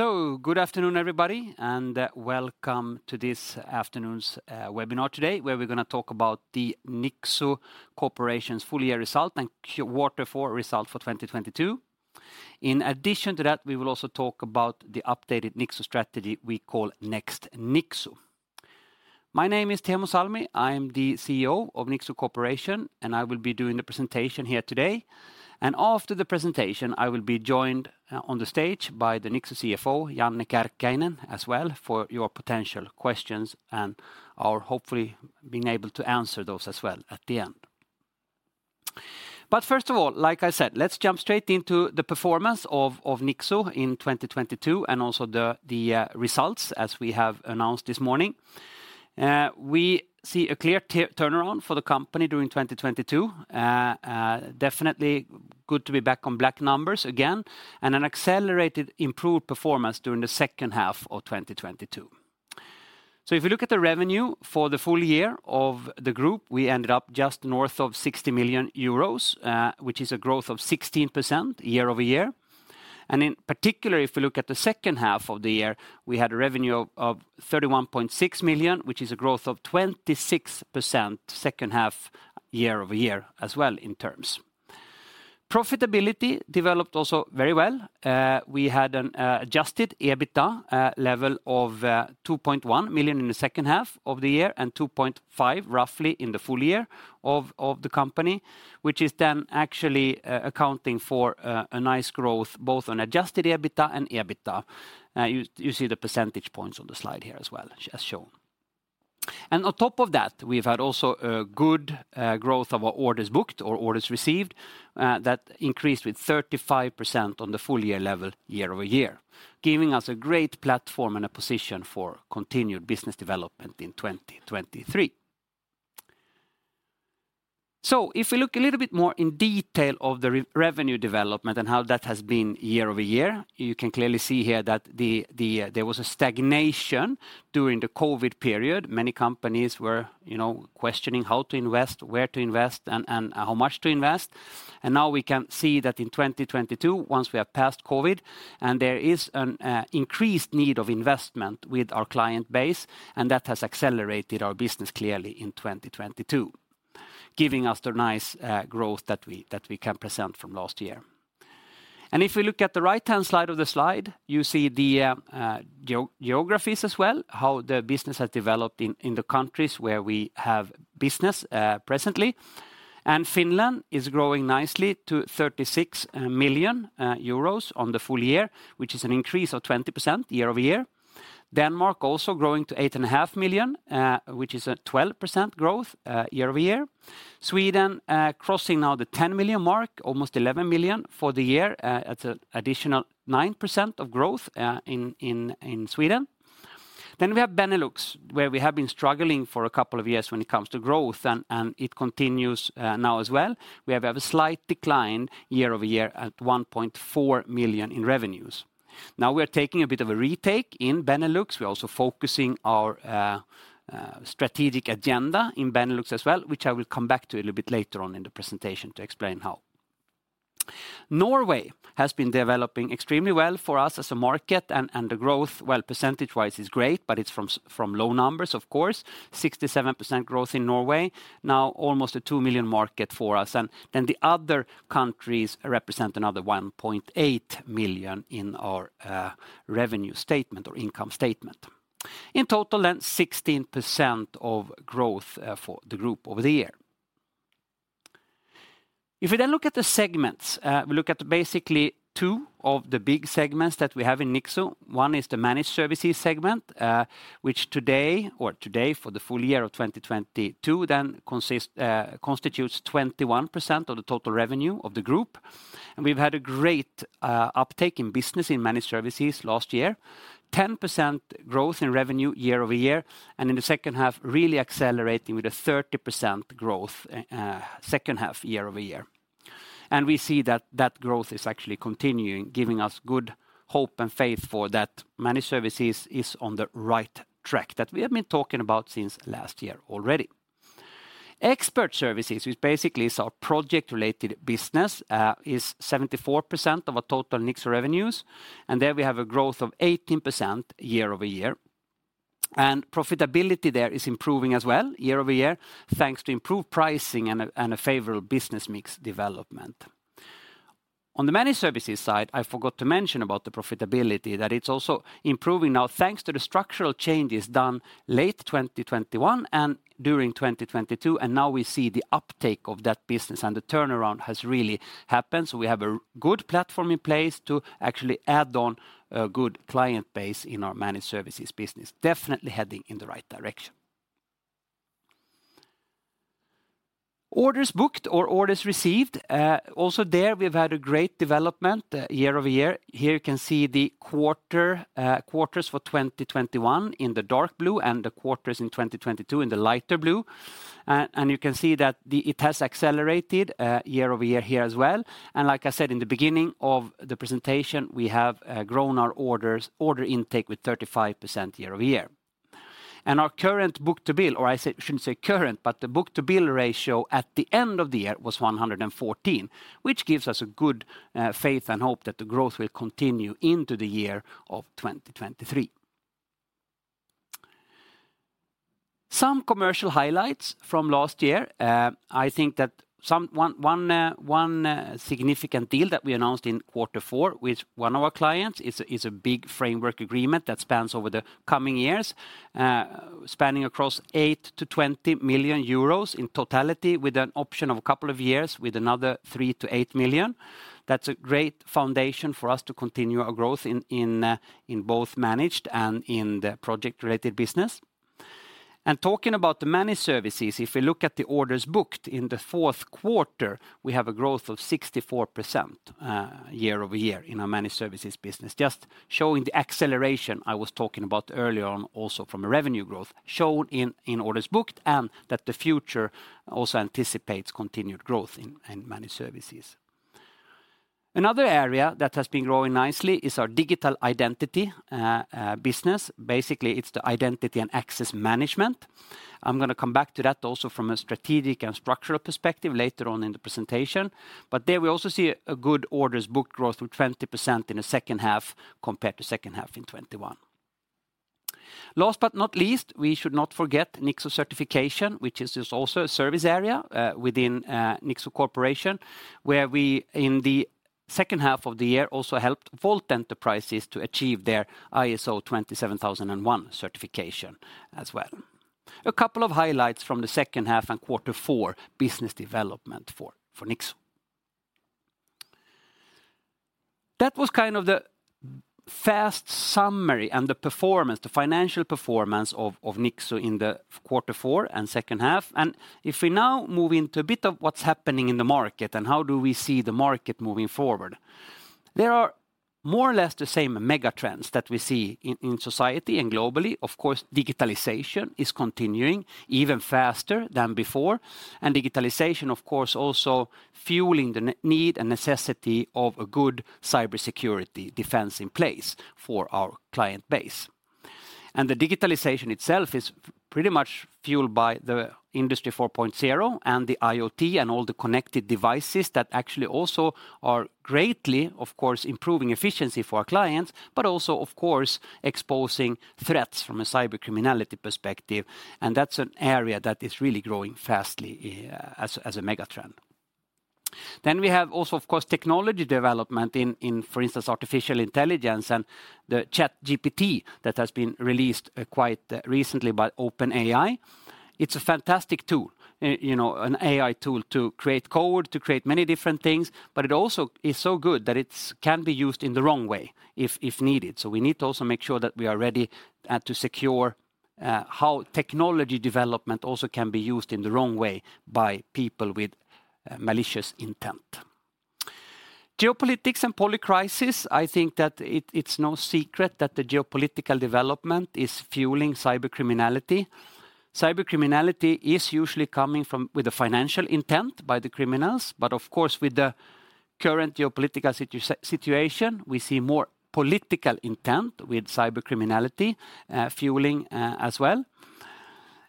Good afternoon everybody and welcome to this afternoon's webinar today, where we're gonna talk about the Nixu Corporation's full year result and quarter four result for 2022. In addition to that, we will also talk about the updated Nixu strategy we call Next Nixu. My name is Teemu Salmi. I'm the CEO of Nixu Corporation and I will be doing the presentation here today. After the presentation, I will be joined on the stage by the Nixu CFO, Janne Kärkkäinen, as well, for your potential questions and are hopefully being able to answer those as well at the end. First of all, like I said, let's jump straight into the performance of Nixu in 2022 and also the results as we have announced this morning. We see a clear turnaround for the company during 2022. definitely good to be back on black numbers again and an accelerated improved performance during the second half of 2022. If you look at the revenue for the full year of the group, we ended up just north of 60 million euros, which is a growth of 16% year-over-year. In particular, if you look at the second half of the year, we had a revenue of 31.6 million, which is a growth of 26% second half year-over-year as well in terms. Profitability developed also very well. We had an adjusted EBITDA level of 2.1 million in the second half of the year and 2.5 million roughly in the full year of the company, which is then actually accounting for a nice growth both on adjusted EBITDA and EBITDA. You see the percentage points on the slide here as well as shown. On top of that, we've had also a good growth of our orders booked or orders received that increased with 35% on the full year level year-over-year, giving us a great platform and a position for continued business development in 2023. If we look a little bit more in detail of the re-revenue development and how that has been year-over-year, you can clearly see here that the, there was a stagnation during the COVID period. Many companies were, you know, questioning how to invest, where to invest, and how much to invest. Now we can see that in 2022, once we have passed COVID, and there is an increased need of investment with our client base, and that has accelerated our business clearly in 2022, giving us the nice growth that we, that we can present from last year. If we look at the right-hand side of the slide, you see the geographies as well, how the business has developed in the countries where we have business presently. Finland is growing nicely to 36 million euros on the full year, which is an increase of 20% year-over-year. Denmark also growing to 8.5 million, which is a 12% growth year-over-year. Sweden, crossing now the 10 million mark, almost 11 million for the year, at an additional 9% of growth in Sweden. We have Benelux, where we have been struggling for a couple of years when it comes to growth and it continues now as well. We have a slight decline year-over-year at 1.4 million in revenues. Now we're taking a bit of a retake in Benelux. We're also focusing our strategic agenda in Benelux as well, which I will come back to a little bit later on in the presentation to explain how. Norway has been developing extremely well for us as a market, and the growth, while percentage-wise is great, but it's from low numbers, of course. 67% growth in Norway. Now almost a 2 million market for us. The other countries represent another 1.8 million in our revenue statement or income statement. In total, 16% of growth for the group over the year. If we look at the segments, we look at basically two of the big segments that we have in Nixu. One is the Managed Services segment, which today for the full year of 2022 constitutes 21% of the total revenue of the group. We've had a great uptake in business in Managed Services last year. 10% growth in revenue year-over-year, in the second half, really accelerating with a 30% growth second half year-over-year. We see that that growth is actually continuing, giving us good hope and faith for that Managed Services is on the right track that we have been talking about since last year already. Expert Services, which basically is our project-related business, is 74% of our total Nixu revenues, there we have a growth of 18% year-over-year. Profitability there is improving as well year-over-year, thanks to improved pricing and a favorable business mix development. On the Managed Services side, I forgot to mention about the profitability, that it's also improving now thanks to the structural changes done late 2021 and during 2022, and now we see the uptake of that business and the turnaround has really happened. We have a good platform in place to actually add on a good client base in our Managed Services business. Definitely heading in the right direction. Orders booked or orders received, also there we've had a great development year-over-year. Here you can see the quarters for 2021 in the dark blue and the quarters in 2022 in the lighter blue. You can see that it has accelerated year-over-year here as well. Like I said in the beginning of the presentation, we have grown our orders, order intake with 35% year-over-year. Our current book-to-bill, or shouldn't say current, but the book-to-bill ratio at the end of the year was 114, which gives us a good faith and hope that the growth will continue into the year of 2023. Some commercial highlights from last year. I think that one significant deal that we announced in quarter four with one of our clients is a big framework agreement that spans over the coming years, spanning across EUR 8 million-EUR 20 million That's a great foundation for us to continue our growth in Managed and in the project-related business. Talking about the Managed Services, if we look at the orders booked in the fourth quarter, we have a growth of 64% year-over-year in our Managed Services business, just showing the acceleration I was talking about earlier on also from a revenue growth shown in orders booked and that the future also anticipates continued growth in Managed Services. Another area that has been growing nicely is our digital identity business. Basically, it's the identity and access management. I'm gonna come back to that also from a strategic and structural perspective later on in the presentation. There we also see a good orders book growth from 20% in the second half compared to second half in 2021. Last but not least, we should not forget Nixu Certification, which is just also a service area within Nixu Corporation, where we, in the second half of the year, also helped Wolt Enterprises to achieve their ISO 27001 certification as well. A couple of highlights from the second half and quarter four business development for Nixu. That was kind of the fast summary and the performance, the financial performance of Nixu in the quarter four and second half. If we now move into a bit of what's happening in the market and how do we see the market moving forward, there are more or less the same mega trends that we see in society and globally. Of course, digitalization is continuing even faster than before. Digitalization, of course, also fueling the need and necessity of a good cybersecurity defense in place for our client base. The digitalization itself is pretty much fueled by the Industry 4.0 and the IoT and all the connected devices that actually also are greatly, of course, improving efficiency for our clients, but also, of course, exposing threats from a cybercriminality perspective, and that's an area that is really growing fastly as a mega trend. We have also, of course, technology development in, for instance, artificial intelligence and the ChatGPT that has been released quite recently by OpenAI. It's a fantastic tool, you know, an AI tool to create code, to create many different things, but it also is so good that it's can be used in the wrong way if needed. We need to also make sure that we are ready to secure how technology development also can be used in the wrong way by people with malicious intent. Geopolitics and polycrisis. I think that it's no secret that the geopolitical development is fueling cybercriminality. Cybercriminality is usually coming from... with a financial intent by the criminals, but of course, with the current geopolitical situation, we see more political intent with cybercriminality fueling as well.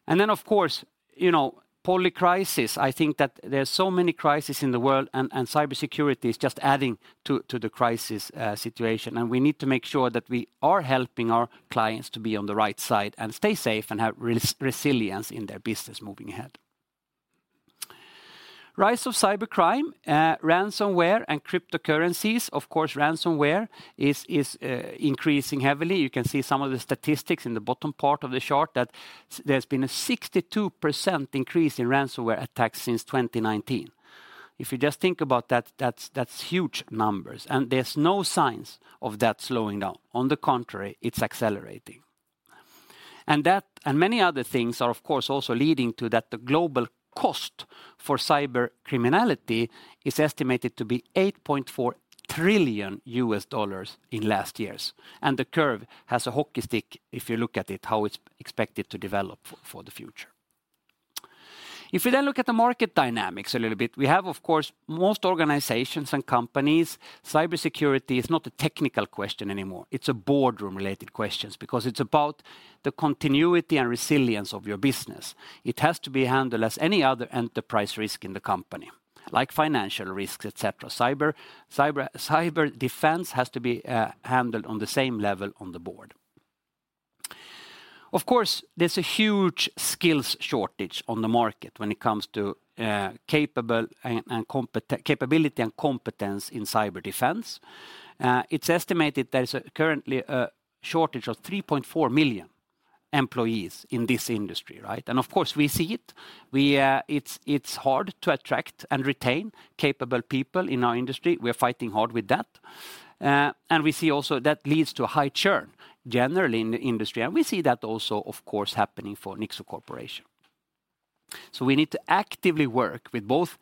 Of course, you know, polycrisis. I think that there are so many crises in the world and cybersecurity is just adding to the crisis situation. We need to make sure that we are helping our clients to be on the right side and stay safe and have resilience in their business moving ahead. Rise of cybercrime, ransomware, and cryptocurrencies. Of course, ransomware is increasing heavily. You can see some of the statistics in the bottom part of the chart that there's been a 62% increase in ransomware attacks since 2019. If you just think about that's huge numbers, and there's no signs of that slowing down. On the contrary, it's accelerating. That and many other things are, of course, also leading to that the global cost for cybercriminality is estimated to be $8.4 trillion in last years, and the curve has a hockey stick if you look at it, how it's expected to develop for the future. If we look at the market dynamics a little bit, we have, of course, most organizations and companies, cybersecurity is not a technical question anymore. It's a boardroom related questions because it's about the continuity and resilience of your business. It has to be handled as any other enterprise risk in the company, like financial risks, etc. Cyber defense has to be handled on the same level on the board. Of course, there's a huge skills shortage on the market when it comes to capable and capability and competence in cyber defense. It's estimated there's a currently a shortage of 3.4 million employees in this industry, right? Of course, we see it. We, it's hard to attract and retain capable people in our industry. We are fighting hard with that. We see also that leads to a high churn generally in the industry, and we see that also, of course happening for Nixu Corporation. We need to actively work with both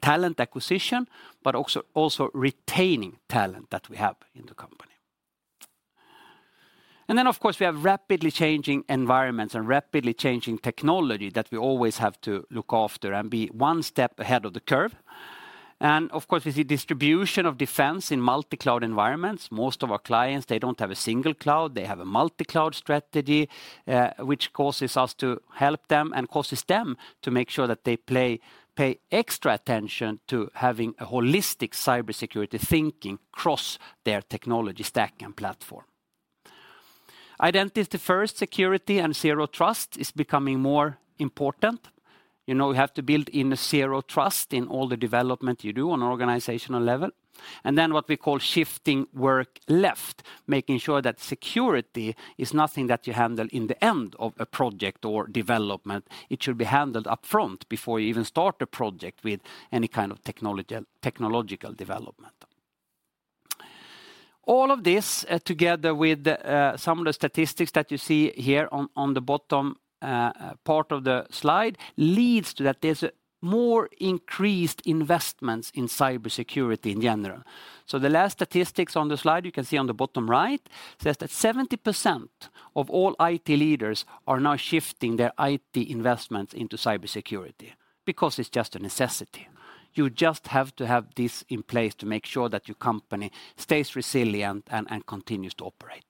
talent acquisition but also retaining talent that we have in the company. Of course we have rapidly changing environments and rapidly changing technology that we always have to look after and be one step ahead of the curve. Of course, we see distribution of defense in multi-cloud environments. Most of our clients, they don't have a single cloud, they have a multi-cloud strategy, which causes us to help them and causes them to make sure that they pay extra attention to having a holistic cybersecurity thinking across their technology stack and platform. Identity first security and zero trust is becoming more important. You know, we have to build in a zero trust in all the development you do on organizational level. Then what we call shifting work left, making sure that security is nothing that you handle in the end of a project or development. It should be handled up front before you even start the project with any kind of technological development. All of this together with some of the statistics that you see here on the bottom part of the slide leads to that there's more increased investments in cybersecurity in general. The last statistics on the slide you can see on the bottom right says that 70% of all IT leaders are now shifting their IT investments into cybersecurity because it's just a necessity. You just have to have this in place to make sure that your company stays resilient and continues to operate.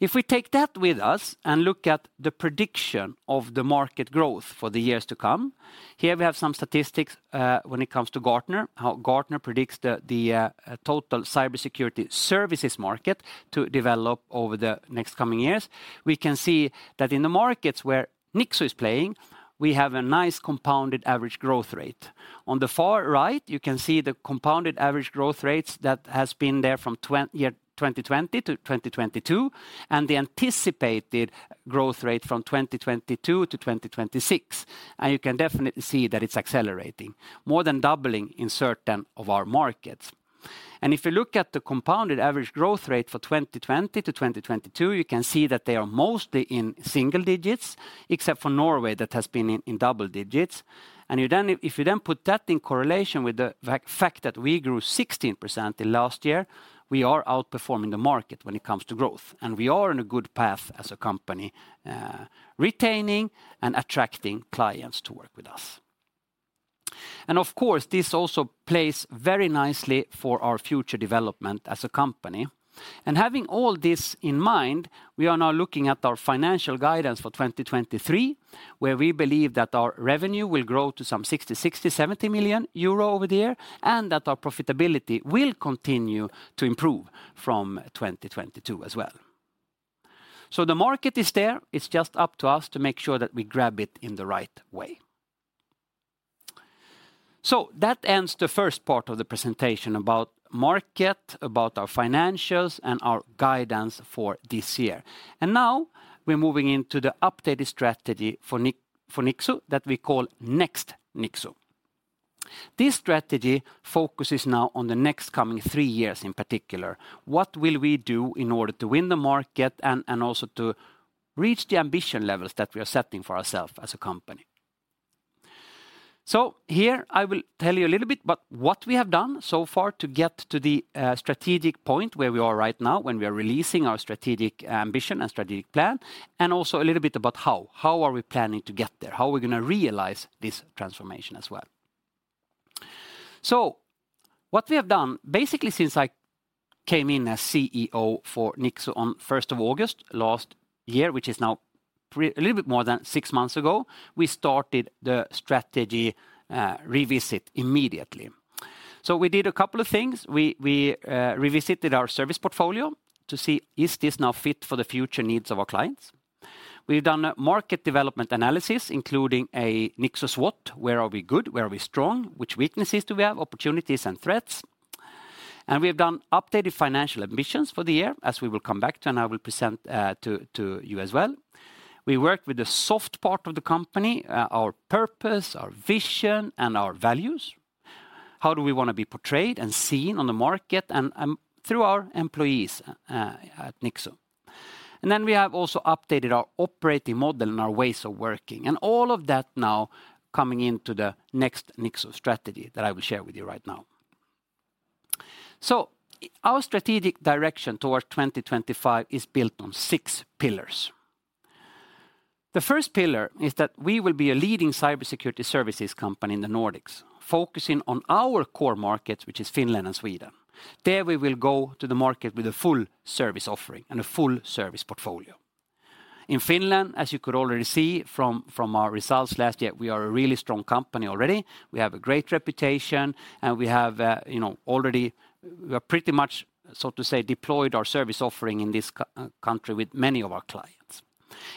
If we take that with us and look at the prediction of the market growth for the years to come, here we have some statistics, when it comes to Gartner, how Gartner predicts the total cybersecurity services market to develop over the next coming years. We can see that in the markets where Nixu is playing, we have a nice compounded average growth rate. On the far right, you can see the compounded average growth rates that has been there from year 2020 to 2022, and the anticipated growth rate from 2022 to 2026. You can definitely see that it's accelerating, more than doubling in certain of our markets. If you look at the compounded average growth rate for 2020 to 2022, you can see that they are mostly in single digits, except for Norway that has been in double digits. If you then put that in correlation with the fact that we grew 16% in last year, we are outperforming the market when it comes to growth. We are on a good path as a company, retaining and attracting clients to work with us. Of course, this also plays very nicely for our future development as a company. Having all this in mind, we are now looking at our financial guidance for 2023, where we believe that our revenue will grow to some 60 million to 70 million euro over the year, and that our profitability will continue to improve from 2022 as well. The market is there. It's just up to us to make sure that we grab it in the right way. That ends the first part of the presentation about market, about our financials, and our guidance for this year. Now we're moving into the updated strategy for Nixu that we call Next Nixu. This strategy focuses now on the next coming three years in particular. What will we do in order to win the market and also to reach the ambition levels that we are setting for ourself as a company? Here I will tell you a little bit about what we have done so far to get to the strategic point where we are right now when we are releasing our strategic ambition and strategic plan, and also a little bit about how are we planning to get there, how are we gonna realize this transformation as well. What we have done, basically since I came in as CEO for Nixu on first of August last year, which is now a little bit more than 6 months ago, we started the strategy revisit immediately. We did a couple of things. We revisited our service portfolio to see is this now fit for the future needs of our clients. We've done a market development analysis, including a Nixu SWOT, where are we good, where are we strong, which weaknesses do we have, opportunities and threats. We have done updated financial ambitions for the year, as we will come back to and I will present to you as well. We worked with the soft part of the company, our purpose, our vision, and our values. How do we wanna be portrayed and seen on the market and through our employees at Nixu? We have also updated our operating model and our ways of working, and all of that now coming into the Next Nixu strategy that I will share with you right now. Our strategic direction toward 2025 is built on six pillars. The first pillar is that we will be a leading cybersecurity services company in the Nordics, focusing on our core market, which is Finland and Sweden. There we will go to the market with a full service offering and a full service portfolio. In Finland, as you could already see from our results last year, we are a really strong company already. We have a great reputation, and we have, you know, already, we are pretty much, so to say, deployed our service offering in this country with many of our clients.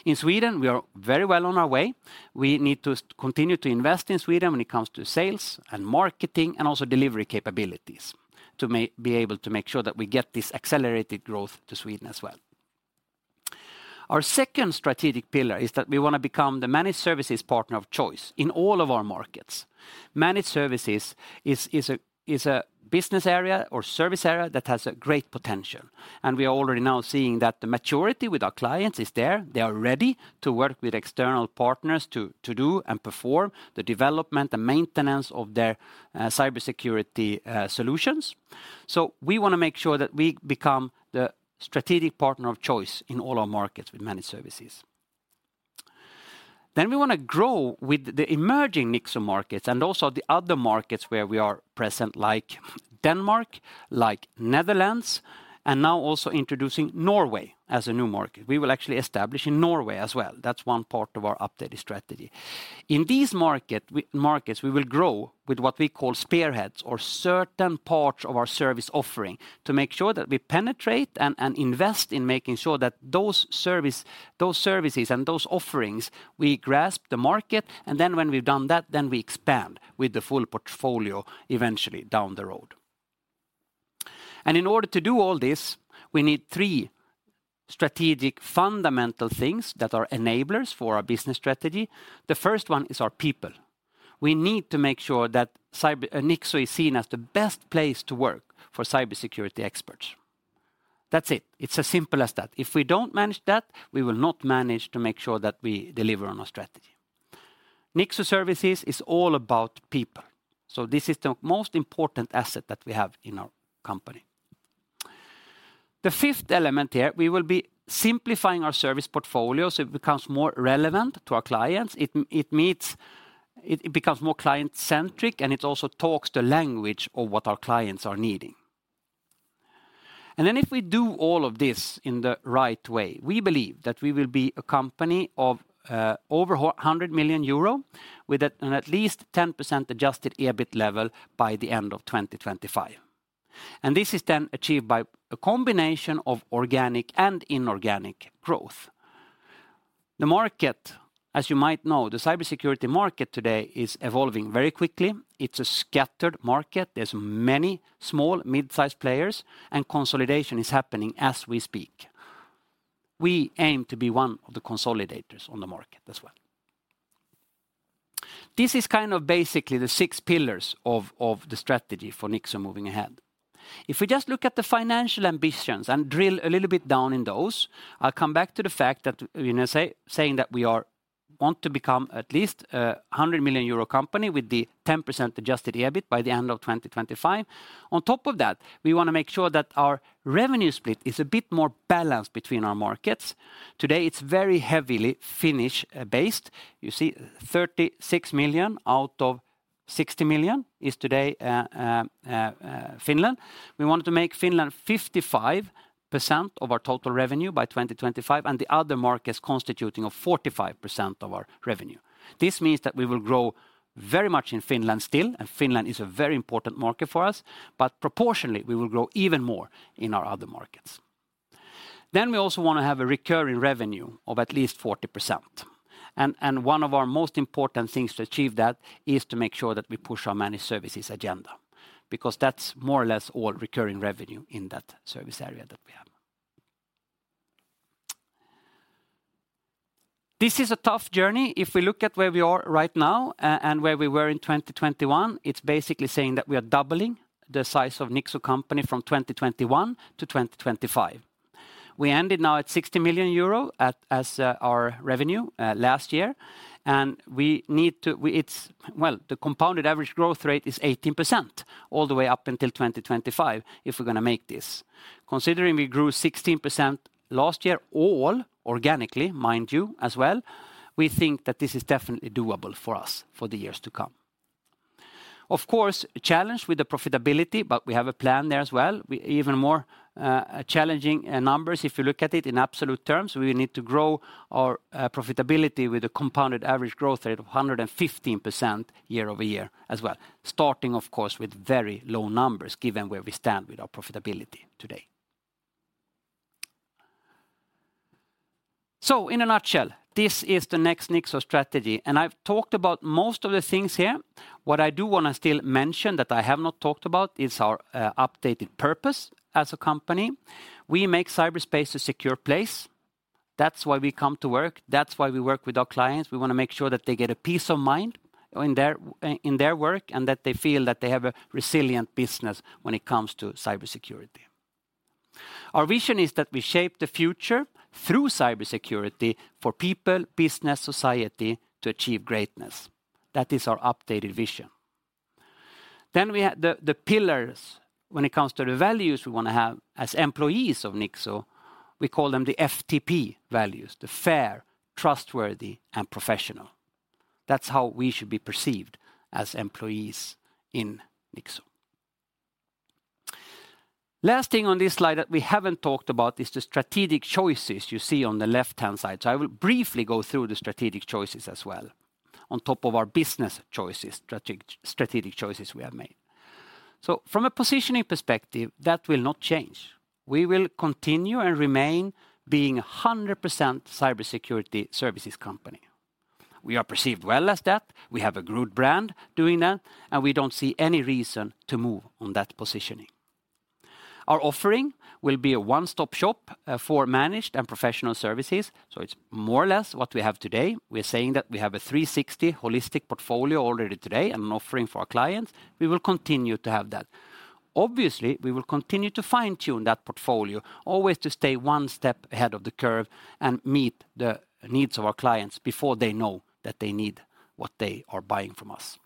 In Sweden, we are very well on our way. We need to continue to invest in Sweden when it comes to sales and marketing and also delivery capabilities to be able to make sure that we get this accelerated growth to Sweden as well. Our second strategic pillar is that we wanna become the Managed Services partner of choice in all of our markets. Managed Services is a business area or service area that has a great potential. We are already now seeing that the maturity with our clients is there. They are ready to work with external partners to do and perform the development and maintenance of their cybersecurity solutions. We wanna make sure that we become the strategic partner of choice in all our markets with Managed Services. We wanna grow with the emerging Nixu markets, and also the other markets where we are present, like Denmark, like Netherlands, and now also introducing Norway as a new market. We will actually establish in Norway as well. That's one part of our updated strategy. In these markets, we will grow with what we call spearheads or certain parts of our service offering to make sure that we penetrate and invest in making sure that those services and those offerings, we grasp the market, then when we've done that, then we expand with the full portfolio eventually down the road. In order to do all this, we need three strategic fundamental things that are enablers for our business strategy. The first one is our people. We need to make sure that Nixu is seen as the best place to work for cybersecurity experts. That's it. It's as simple as that. If we don't manage that, we will not manage to make sure that we deliver on our strategy. Nixu services is all about people, so this is the most important asset that we have in our company. The fifth element here, we will be simplifying our service portfolio so it becomes more relevant to our clients. It becomes more client-centric. It also talks the language of what our clients are needing. If we do all of this in the right way, we believe that we will be a company of over 100 million euro with at least 10% adjusted EBIT level by the end of 2025. This is then achieved by a combination of organic and inorganic growth. The market as you might know, the cybersecurity market today is evolving very quickly. It's a scattered market. There's many small, mid-sized players. Consolidation is happening as we speak. We aim to be one of the consolidators on the market as well. This is kind of basically the six pillars of the strategy for Nixu moving ahead. If we just look at the financial ambitions and drill a little bit down in those, I'll come back to the fact that, you know, saying that we want to become at least a 100 million euro company with the 10% adjusted EBIT by the end of 2025. On top of that, we wanna make sure that our revenue split is a bit more balanced between our markets. Today, it's very heavily Finnish based. You see 36 million out of 60 million is today Finland. We want to make Finland 55% of our total revenue by 2025, and the other markets constituting of 45% of our revenue. This means that we will grow very much in Finland still and Finland is a very important market for us. Proportionally, we will grow even more in our other markets. We also wanna have a recurring revenue of at least 40% and one of our most important things to achieve that is to make sure that we push our Managed Services agenda because that's more or less all recurring revenue in that service area that we have. This is a tough journey. If we look at where we are right now and where we were in 2021, it's basically saying that we are doubling the size of Nixu Corporation from 2021 to 2025. We ended now at 60 million euro as our revenue last year, and we need to... It's... Well, the compounded average growth rate is 18% all the way up until 2025 if we're gonna make this. Considering we grew 16% last year, all organically, mind you, as well, we think that this is definitely doable for us for the years to come. Of course, a challenge with the profitability, but we have a plan there as well. Even more challenging numbers, if you look at it in absolute terms, we need to grow our profitability with a compounded average growth rate of 115% year-over-year as well, starting of course with very low numbers given where we stand with our profitability today. In a nutshell, this is the Next Nixu strategy, and I've talked about most of the things here. What I do wanna still mention that I have not talked about is our updated purpose as a company. We make cyberspace a secure place. That's why we come to work. That's why we work with our clients. We wanna make sure that they get a peace of mind in their work and that they feel that they have a resilient business when it comes to cybersecurity. Our vision is that we shape the future through cybersecurity for people, business, society to achieve greatness. That is our updated vision. We have the pillars when it comes to the values we wanna have as employees of Nixu. We call them the FTP values, the fair, trustworthy, and professional. That's how we should be perceived as employees in Nixu. Last thing on this slide that we haven't talked about is the strategic choices you see on the left-hand side. I will briefly go through the strategic choices as well on top of our business choices, strategic choices we have made. From a positioning perspective, that will not change. We will continue and remain being a 100% cybersecurity services company. We are perceived well as that. We have a good brand doing that, and we don't see any reason to move on that positioning. Our offering will be a one-stop shop for Managed and professional services, so it's more or less what we have today. We're saying that we have a 360 holistic portfolio already today and an offering for our clients. We will continue to have that. Obviously, we will continue to fine-tune that portfolio always to stay one step ahead of the curve and meet the needs of our clients before they know that they need what they are buying from us.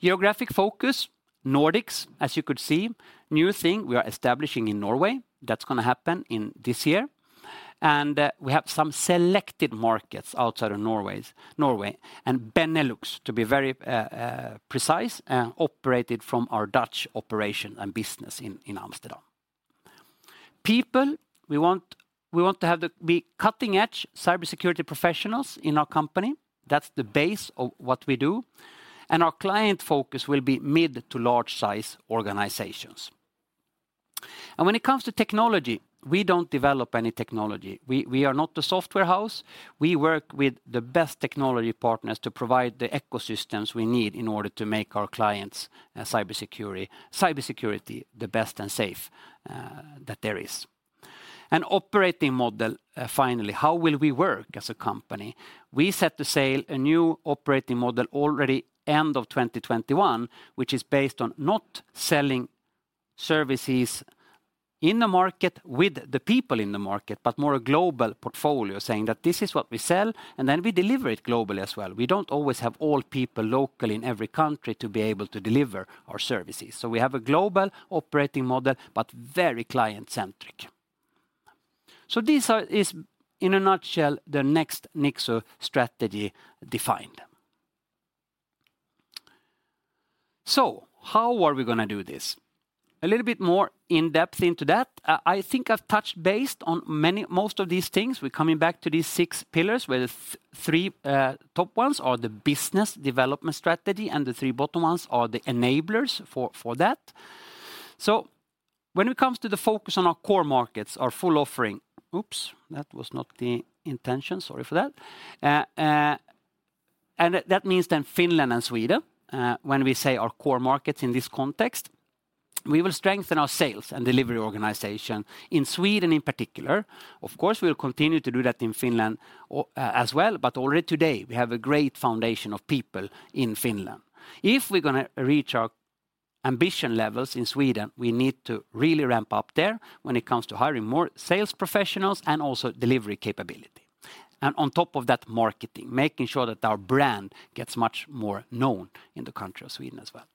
Geographic focus, Nordics, as you could see. New thing we are establishing in Norway, that's gonna happen in this year. We have some selected markets outside of Norway, and Benelux to be very precise, operated from our Dutch operation and business in Amsterdam. People, we want to be cutting-edge cybersecurity professionals in our company. That's the base of what we do. Our client focus will be mid to large-size organizations. When it comes to technology, we don't develop any technology. We are not a software house. We work with the best technology partners to provide the ecosystems we need in order to make our clients' cybersecurity the best and safe that there is. An operating model, finally. How will we work as a company? We set the sail a new operating model already end of 2021, which is based on not selling services in the market with the people in the market, but more a global portfolio saying that this is what we sell, and then we deliver it globally as well. We don't always have all people locally in every country to be able to deliver our services. We have a global operating model, but very client-centric. these are-- is in a nutshell, the Next Nixu strategy defined. How are we gonna do this? A little bit more in-depth into that. I think I've touched base on most of these things. We're coming back to these six pillars, where the three top ones are the business development strategy, and the three bottom ones are the enablers for that. When it comes to the focus on our core markets, our full offering... Oops, that was not the intention. Sorry for that. That means then Finland and Sweden, when we say our core markets in this context. We will strengthen our sales and delivery organization in Sweden in particular. Of course, we'll continue to do that in Finland as well, but already today we have a great foundation of people in Finland. If we're gonna reach our ambition levels in Sweden, we need to really ramp up there when it comes to hiring more sales professionals and also delivery capability. On top of that, marketing, making sure that our brand gets much more known in the country of Sweden as well.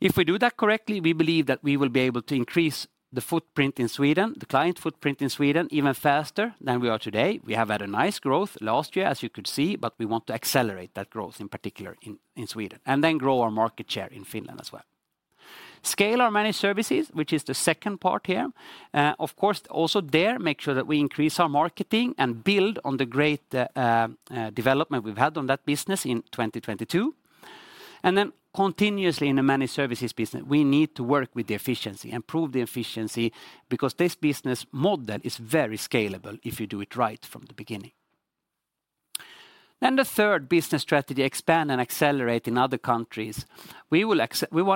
If we do that correctly, we believe that we will be able to increase the footprint in Sweden, the client footprint in Sweden even faster than we are today. We have had a nice growth last year, as you could see, but we want to accelerate that growth, in particular in Sweden, and then grow our market share in Finland as well. Scale our Managed Services, which is the second part here. Of course also there, make sure that we increase our marketing and build on the great development we've had on that business in 2022. Continuously in the Managed Services business, we need to work with the efficiency, improve the efficiency because this business model is very scalable if you do it right from the beginning. The third business strategy, expand and accelerate in other countries. We want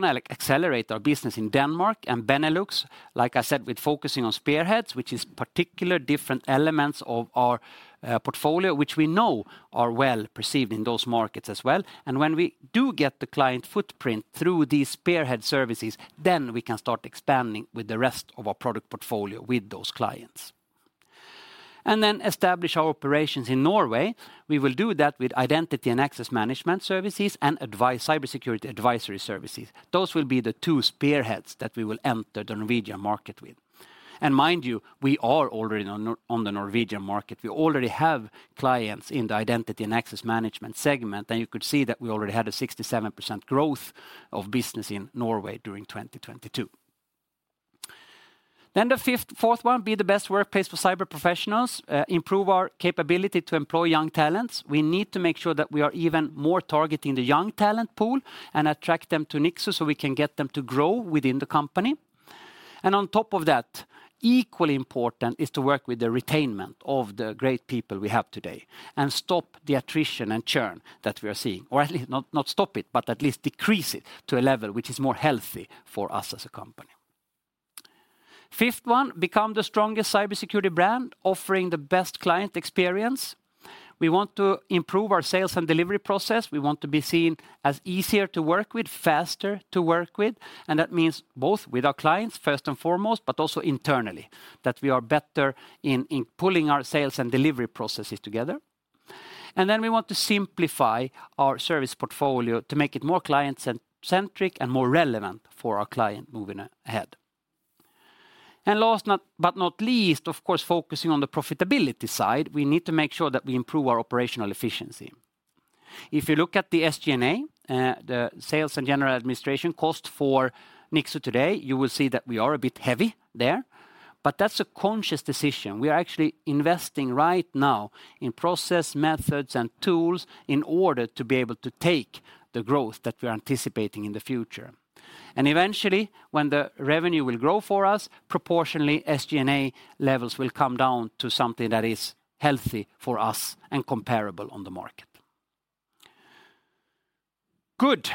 to accelerate our business in Denmark and Benelux, like I said, with focusing on spearheads, which is particular different elements of our portfolio, which we know are well-perceived in those markets as well. When we do get the client footprint through these spearhead services, we can start expanding with the rest of our product portfolio with those clients. Establish our operations in Norway. We will do that with identity and access management services and cybersecurity advisory services. Those will be the two spearheads that we will enter the Norwegian market with. Mind you, we are already on the Norwegian market. We already have clients in the identity and access management segment. You could see that we already had a 67% growth of business in Norway during 2022. The fourth one, be the best workplace for cyber professionals, improve our capability to employ young talents. We need to make sure that we are even more targeting the young talent pool and attract them to Nixu so we can get them to grow within the company. Equally important is to work with the retainment of the great people we have today and stop the attrition and churn that we are seeing. At least not stop it, but at least decrease it to a level which is more healthy for us as a company. Fifth one, become the strongest cybersecurity brand offering the best client experience. We want to improve our sales and delivery process. We want to be seen as easier to work with, faster to work with. That means both with our clients first and foremost, but also internally, that we are better in pulling our sales and delivery processes together. We want to simplify our service portfolio to make it more client-centric and more relevant for our client moving ahead. Last but not least, of course, focusing on the profitability side, we need to make sure that we improve our operational efficiency. If you look at the SG&A, the sales and general administration cost for Nixu today, you will see that we are a bit heavy there. That's a conscious decision. We are actually investing right now in process, methods, and tools in order to be able to take the growth that we are anticipating in the future. Eventually, when the revenue will grow for us, proportionally, SG&A levels will come down to something that is healthy for us and comparable on the market. Good.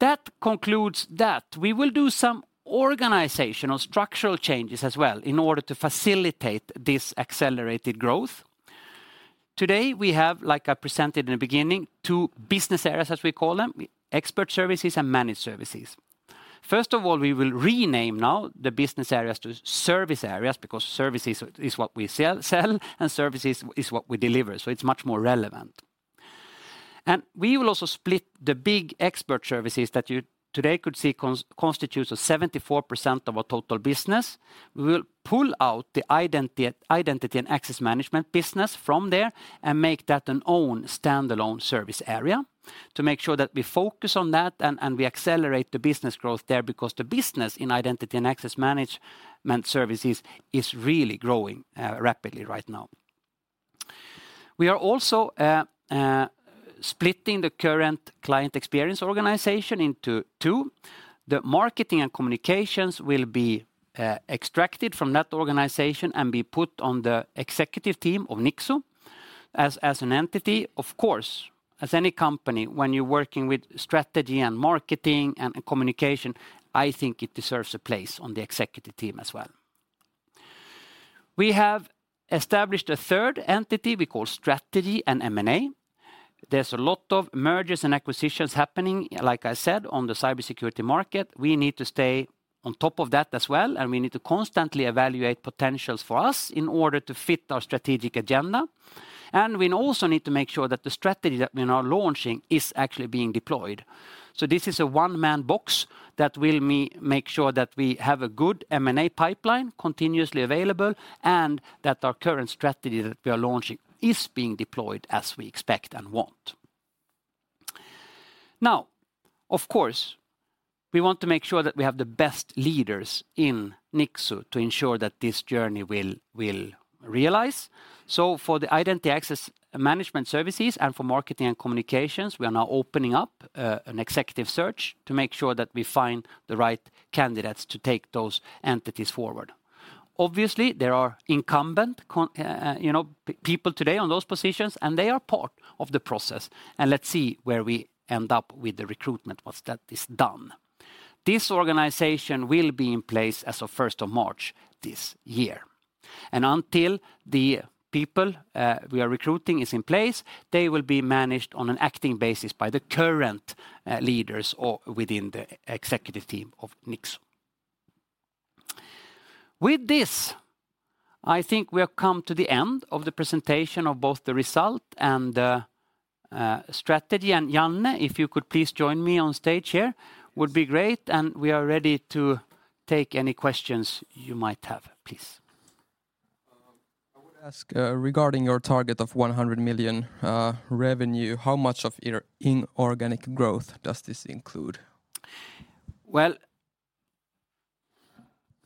That concludes that. We will do some organizational structural changes as well in order to facilitate this accelerated growth. Today we have, like I presented in the beginning, two business areas, as we call them, Expert Services and Managed Services. First of all, we will rename now the business areas to service areas because service is what we sell, and service is what we deliver, so it's much more relevant. We will also split the big Expert Services that you today could see constitutes 74% of our total business. We will pull out the identity and access management business from there and make that an own standalone service area to make sure that we focus on that and we accelerate the business growth there because the business in identity and access management services is really growing rapidly right now. We are also splitting the current client experience organization into two. The marketing and communications will be extracted from that organization and be put on the executive team of Nixu as an entity. Of course, as any company, when you're working with strategy and marketing and communication, I think it deserves a place on the executive team as well. We have established a third entity we call Strategy & M&A. There's a lot of mergers and acquisitions happening, like I said, on the cybersecurity market. We need to stay on top of that as well, we need to constantly evaluate potentials for us in order to fit our strategic agenda. We also need to make sure that the strategy that we are now launching is actually being deployed. This is a one-man box that will make sure that we have a good M&A pipeline continuously available and that our current strategy that we are launching is being deployed as we expect and want. Of course, we want to make sure that we have the best leaders in Nixu to ensure that this journey will realize. For the identity access management services and for marketing and communications, we are now opening up an executive search to make sure that we find the right candidates to take those entities forward. Obviously, there are incumbent. you know people today on those positions and they are part of the process and let's see where we end up with the recruitment once that is done. This organization will be in place as of 1st of March this year. Until the people we are recruiting is in place, they will be managed on an acting basis by the current leaders or within the executive team of Nixu. With this, I think we have come to the end of the presentation of both the result and the strategy. Janne if you could please join me on stage here would be great, and we are ready to take any questions you might have. Please. I would ask, regarding your target of 100 million revenue, how much of inorganic growth does this include? Well,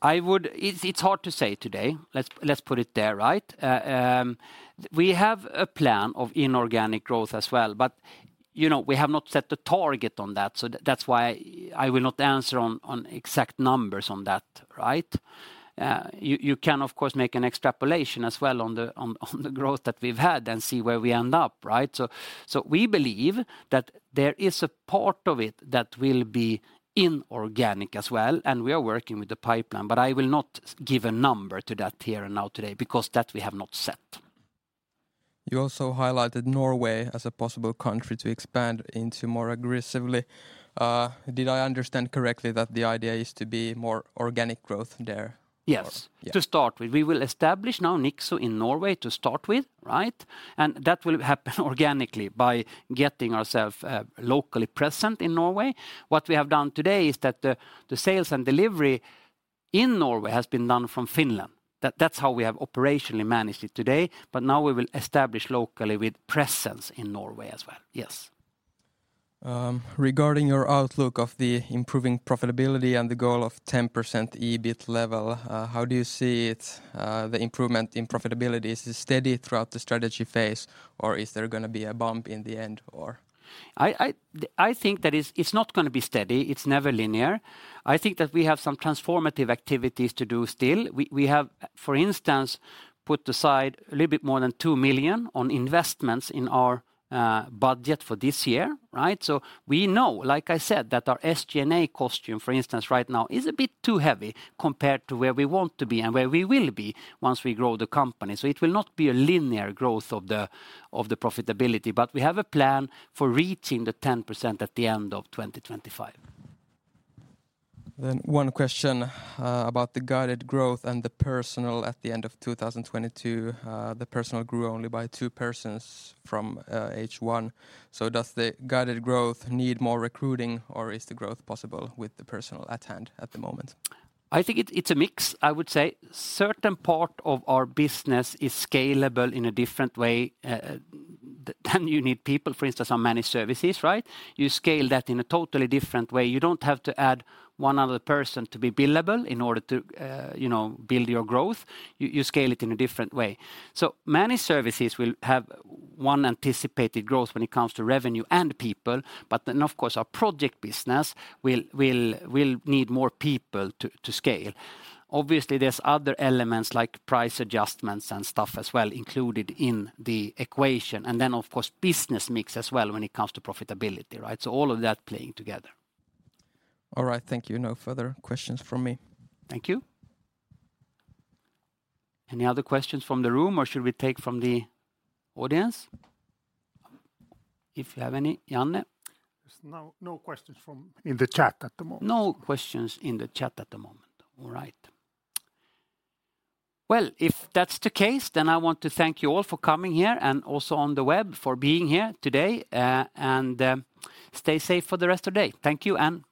it's hard to say today. Let's put it there right? We have a plan of inorganic growth as well. You know, we have not set a target on that, so that's why I will not answer on exact numbers on that right? You can, of course, make an extrapolation as well on the growth that we've had and see where we end up, right? We believe that there is a part of it that will be inorganic as well and we are working with the pipeline. I will not give a number to that here and now today because that we have not set. You also highlighted Norway as a possible country to expand into more aggressively. Did I understand correctly that the idea is to be more organic growth there? Yes. Yeah. To start with. We will establish now Nixu in Norway to start with right? That will happen organically by getting ourselves locally present in Norway. What we have done today is that the sales and delivery in Norway has been done from Finland. That's how we have operationally managed it today, but now we will establish locally with presence in Norway as well. Yes. Regarding your outlook of the improving profitability and the goal of 10% EBIT level, how do you see it, the improvement in profitability? Is it steady throughout the strategy phase or is there gonna be a bump in the end or? I think that it's not gonna be steady. It's never linear. I think that we have some transformative activities to do still. We have, for instance, put aside a little bit more than 2 million on investments in our budget for this year, right? We know, like I said that our SG&A cost, for instance, right now is a bit too heavy compared to where we want to be and where we will be once we grow the company. It will not be a linear growth of the profitability. We have a plan for reaching the 10% at the end of 2025. One question about the guided growth and the personnel at the end of 2022. The personnel grew only by two persons from H1. Does the guided growth need more recruiting, or is the growth possible with the personnel at hand at the moment? I think it's a mix, I would say. Certain part of our business is scalable in a different way than you need people, for instance, on Managed Services, right? You scale that in a totally different way. You don't have to add one other person to be billable in order to, you know build your growth. You scale it in a different way. Managed Services will have one anticipated growth when it comes to revenue and people. Of course, our project business will need more people to scale. Obviously, there's other elements like price adjustments and stuff as well included in the equation. Of course, business mix as well when it comes to profitability, right? All of that playing together. All right. Thank you. No further questions from me. Thank you. Any other questions from the room, or should we take from the audience? If you have any, Janne? There's no questions from in the chat at the moment. No questions in the chat at the moment. All right. If that's the case, I want to thank you all for coming here and also on the web for being here today. Stay safe for the rest of the day. Thank you and bye.